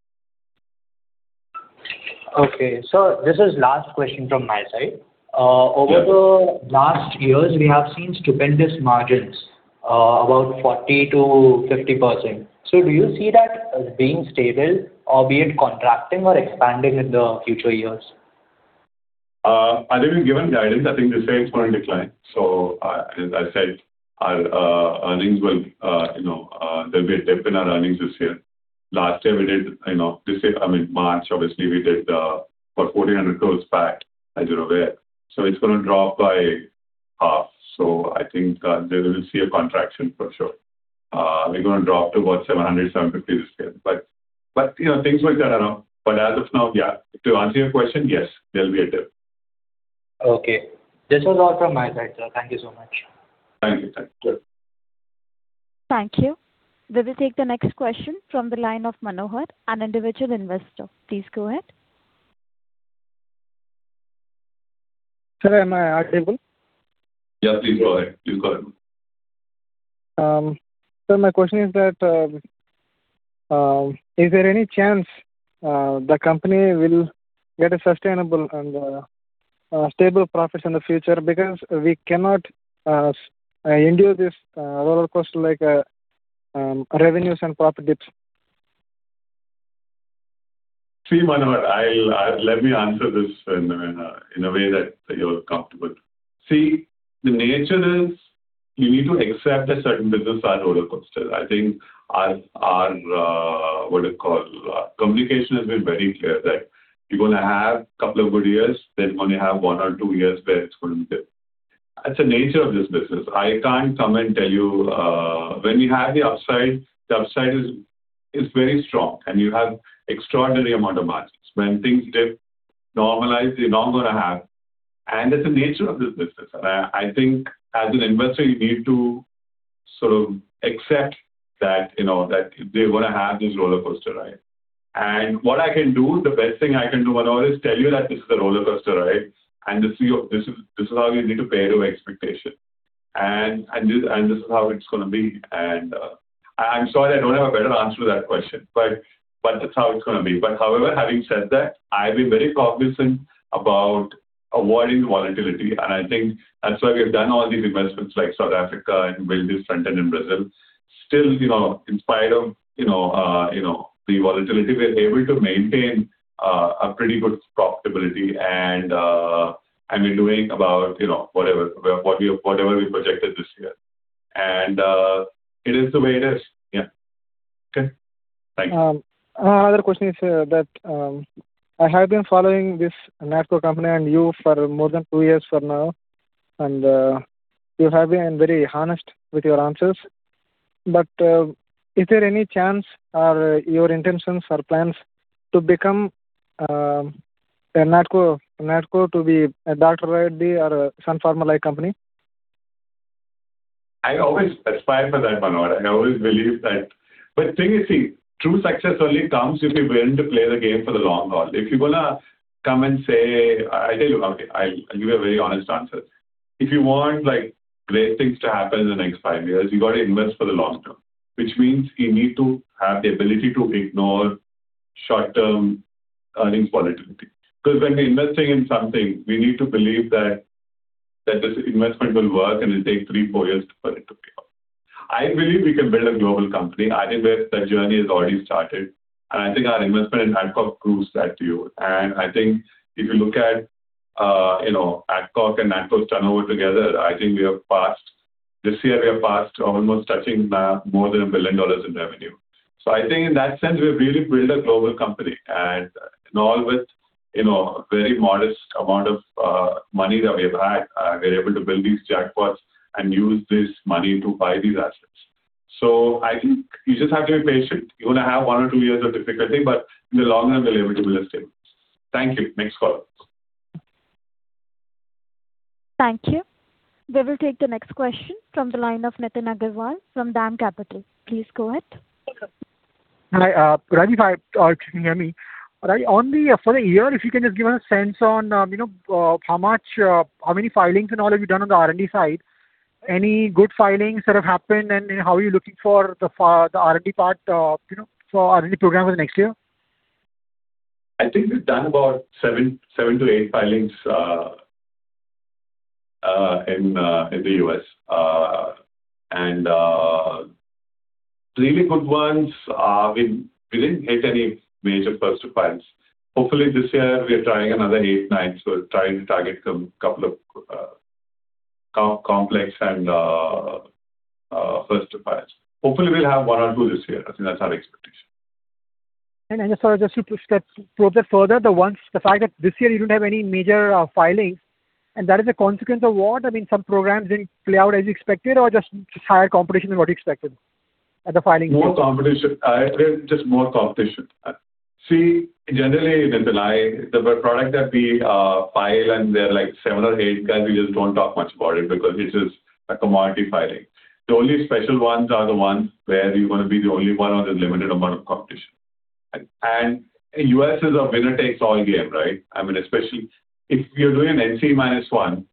Okay. Sir, this is last question from my side. Yes. Over the last years, we have seen stupendous margins, about 40%-50%. Do you see that as being stable or be it contracting or expanding in the future years? I think we've given guidance. I think this year it's going to decline. As I said, there'll be a dip in our earnings this year. Last year, I mean March, obviously we did about 4,000 crores PAT, as you're aware. It's going to drop by half. I think there we will see a contraction for sure. We're going to drop to about 700, 750 this year. Things work that around. As of now, yeah, to answer your question, yes, there'll be a dip. This was all from my side, sir. Thank you so much. Thank you. Sure. Thank you. We will take the next question from the line of Manohar, an individual investor. Please go ahead. Sir, am I audible? Yeah, please go ahead. Sir, my question is that, is there any chance the company will get a sustainable and stable profits in the future? We cannot endure this roller coaster like revenues and profit dips. See, Manohar, let me answer this in a way that you're comfortable. See, the nature is you need to accept a certain business are roller coasters. I think our, what do you call, communication has been very clear that you're going to have couple of good years, then you only have one or two years where it's going to dip. That's the nature of this business. I can't come and tell you when you have the upside, the upside is very strong and you have extraordinary amount of margins. When things dip, normalize, you're not going to have. That's the nature of this business. I think as an investor you need to sort of accept that they're going to have this roller coaster, right? What I can do, the best thing I can do, Manohar, is tell you that this is a roller coaster, right? This is how you need to pair your expectation. This is how it's going to be. I'm sorry I don't have a better answer to that question, but that's how it's going to be. However, having said that, I've been very cognizant about avoiding volatility, and I think that's why we have done all these investments like South Africa and will do front-end in Brazil. Still, in spite of the volatility, we're able to maintain a pretty good profitability. We're doing about whatever we projected this year. It is the way it is. Yeah. Okay. Thank you. Another question is that I have been following this NATCO company and you for more than two years from now, and you have been very honest with your answers. Is there any chance or your intentions or plans to become NATCO to be a Dr. Reddy's or a Sun Pharma-like company? I always aspire for that, Manohar. I always believe that. Thing is, see, true success only comes if you're willing to play the game for the long haul. I'll give you a very honest answer. If you want great things to happen in the next five years, you got to invest for the long term, which means you need to have the ability to ignore short-term earnings volatility. Because when we're investing in something, we need to believe that this investment will work and it'll take three, four years for it to pay off. I believe we can build a global company. I think that journey has already started, and I think our investment in Adcock proves that to you. I think if you look at Adcock and NATCO's turnover together, I think this year we have passed almost touching more than $1 billion in revenue. I think in that sense, we've really built a global company and all with very modest amount of money that we have had. We're able to build these jackpots and use this money to buy these assets. I think you just have to be patient. You're going to have one or two years of difficulty, but in the long run, we'll be able to build a stable business. Thank you. Next call. Thank you. We will take the next question from the line of Nitin Agarwal from DAM Capital. Please go ahead. Hi, Rajeev. If you can hear me. Rajeev, for the year, if you can just give us a sense on how many filings and all have you done on the R&D side. Any good filings that have happened, and how are you looking for the R&D part for R&D program for the next year? I think we've done about seven to eight filings in the U.S. Really good ones. We didn't hit any major first filings. Hopefully, this year we are trying another eight, nine. We're trying to target couple of complex and first filings. Hopefully, we'll have one or two this year. I think that's our expectation. I just want to just to probe it further, the fact that this year you didn't have any major filings, and that is a consequence of what? I mean, some programs didn't play out as you expected or just higher competition than what you expected at the filing stage? Just more competition. See, generally, Nitin, the product that we file and they're like seven or eight guys, we just don't talk much about it because it is a commodity filing. The only special ones are the ones where you're going to be the only one or there's limited amount of competition. U.S. is a winner takes all game, right? Especially if you're doing an NCE-1,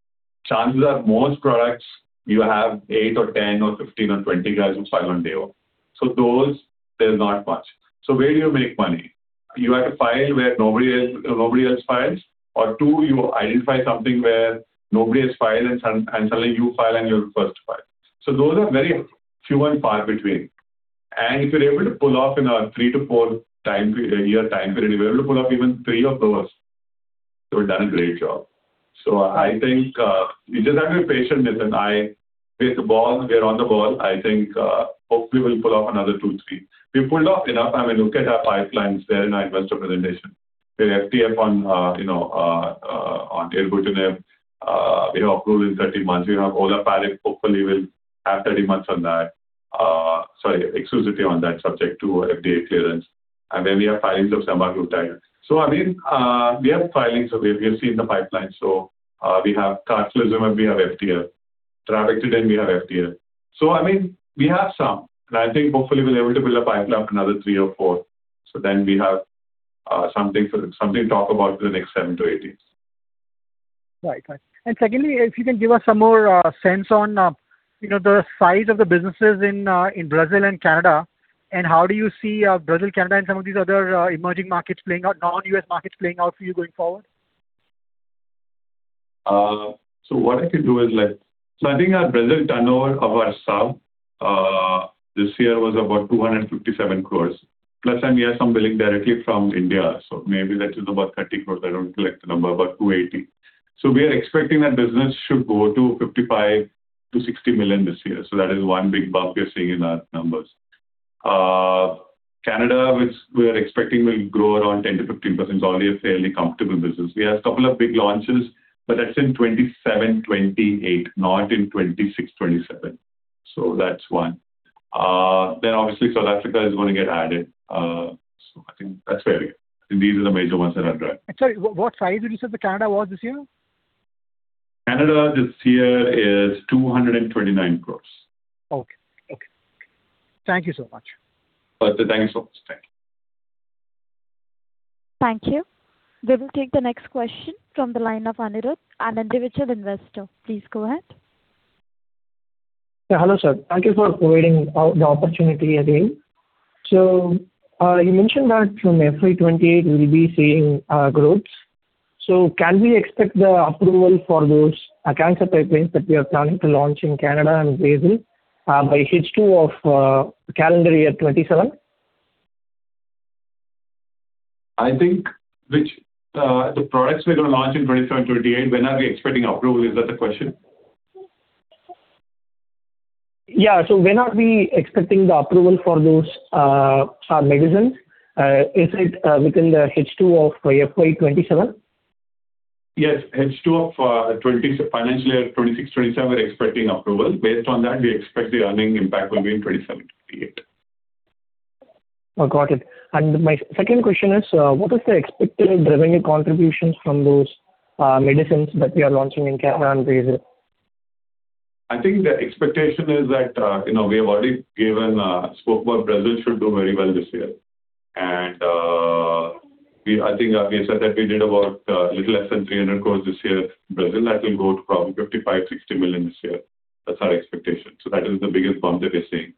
chances are most products you have eight or 10 or 15 or 20 guys who file on day one. So those, there's not much. So where do you make money? You have to file where nobody else files, or two, you identify something where nobody has filed and suddenly you file, and you're the first to file. So those are very few and far between. If you're able to pull off in a three to four year time period, if you're able to pull off even three of those, you've done a great job. I think you just have to be patient, Nitin. I think we are on the ball. I think hopefully we'll pull off another two, three. We've pulled off enough. I mean, look at our pipelines there in our investor presentation. We have FTF on, we have approval in 30 months. We have olaparib. Hopefully, we'll have 30 months on that. Sorry, exclusivity on that subject to FDA clearance. Then we have filings of semaglutide. I mean, we have filings we have seen in the pipeline. We have carfilzomib and we have FTF, then we have FDF. We have some, and I think hopefully we'll be able to build a pipeline for another three or four. We have something to talk about for the next seven to eight years. Right. Secondly, if you can give us some more sense on the size of the businesses in Brazil and Canada, and how do you see Brazil, Canada, and some of these other emerging markets, non-U.S. markets playing out for you going forward? What I can do is, I think our Brazil turnover of ourselves this year was about 257 crore, plus then we have some billing directly from India, maybe that is about 30 crore. I don't collect the number, but 280 crore. We are expecting that business should go to $55 million-$60 million this year. That is one big bump we are seeing in our numbers. Canada, which we are expecting will grow around 10%-15%, is already a fairly comfortable business. We have a couple of big launches, but that's in 2027, 2028, not in 2026, 2027. That's one. Obviously, South Africa is going to get added. I think that's where. I think these are the major ones that I'll drive. Sorry, what size did you say that Canada was this year? Canada this year is 229 crores. Okay. Thank you so much. Thank you so much. Thank you. Thank you. We will take the next question from the line of Anirudh, an individual investor. Please go ahead. Yeah. Hello, sir. Thank you for providing the opportunity again. You mentioned that from FY 2028 we'll be seeing growth. Can we expect the approval for those cancer pipelines that we are planning to launch in Canada and Brazil by H2 of calendar year 2027? I think, which, the products we're going to launch in 2027, 2028, when are we expecting approval? Is that the question? Yeah. When are we expecting the approval for those medicines? Is it within the H2 of FY27? Yes. H2 of financial year 2026, 2027, we're expecting approval. Based on that, we expect the earning impact will be in 2027, 2028. Oh, got it. My second question is, what is the expected revenue contributions from those medicines that we are launching in Canada and Brazil? I think the expectation is that, we have already spoken about Brazil should do very well this year. I think we have said that we did about little less than 300 crore this year. Brazil, that will go to probably $55 million-$60 million this year. That's our expectation. That is the biggest bump that we're seeing.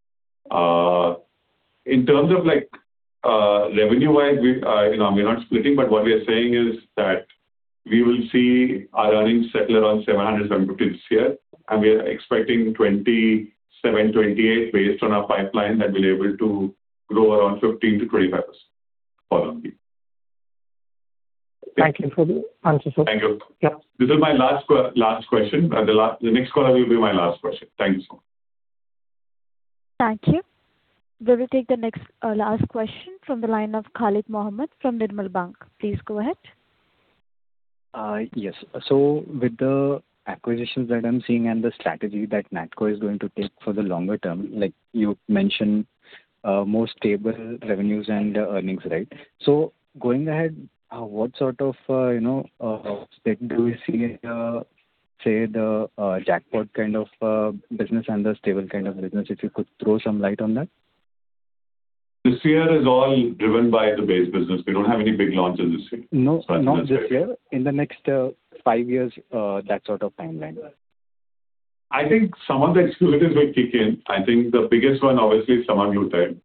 In terms of revenue-wise, we're not splitting, but what we are saying is that we will see our earnings settle around 700 crore-750 crore this year, and we are expecting 2027, 2028 based on our pipeline that we'll be able to grow around 15%-25% compound year. Thank you for the answer, sir. Thank you. Yeah. This is my last question, and the next caller will be my last question. Thank you, sir. Thank you. We will take the last question from the line of [Khalid Mohammed] from Nirmal Bang. Please go ahead. Yes. With the acquisitions that I'm seeing and the strategy that NATCO is going to take for the longer term, like you mentioned, more stable revenues and earnings, right? Going ahead, what sort of stake do we see in, say, the jackpot kind of business and the stable kind of business? If you could throw some light on that. This year is all driven by the base business. We don't have any big launches this year. No, not this year. In the next five years, that sort of timeline. I think some of the exclusivities will kick in. I think the biggest one obviously, is semaglutide.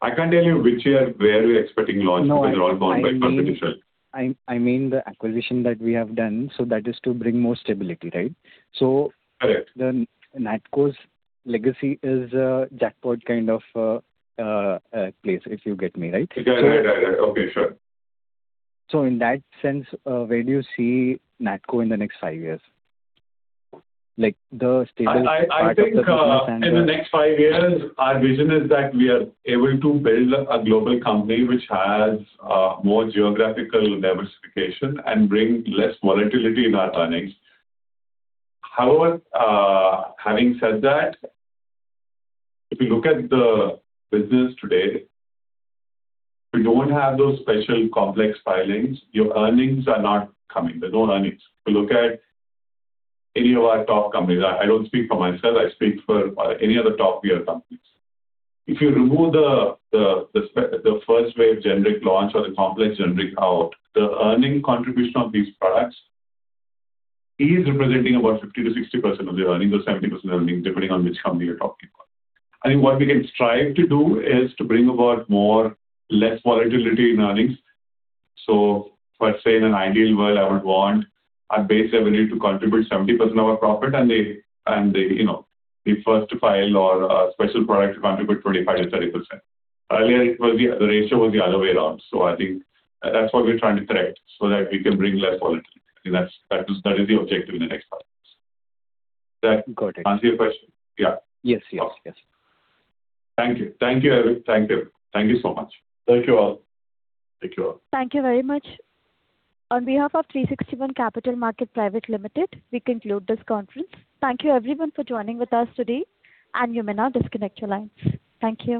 I can't tell you which year, where we're expecting launch because they're all bound by competition. No, I mean the acquisition that we have done, that is to bring more stability, right? Correct. NATCO's legacy is a jackpot kind of place, if you get me, right? Yeah. Okay, sure. In that sense, where do you see NATCO in the next five years? I think in the next five years, our vision is that we are able to build a global company which has more geographical diversification and bring less volatility in our earnings. Having said that, if you look at the business today, if you don't have those special complex filings, your earnings are not coming. There's no earnings. If you look at any of our top companies, I don't speak for myself, I speak for any of the top tier companies. If you remove the first wave generic launch or the complex generic out, the earning contribution of these products is representing about 50%-60% of the earnings or 70% earnings, depending on which company you're talking about. I think what we can strive to do is to bring about less volatility in earnings. Let's say in an ideal world, I would want our base revenue to contribute 70% of our profit and the first to file or special product to contribute 25%-30%. Earlier, the ratio was the other way around. I think that's what we're trying to correct so that we can bring less volatility. I think that is the objective in the next five years. Got it. Does that answer your question? Yeah. Yes. Thank you. Thank you, everyone. Thank you so much. Thank you all. Thank you very much. On behalf of 360 ONE Capital Markets Private Limited, we conclude this conference. Thank you, everyone, for joining with us today, and you may now disconnect your lines. Thank you.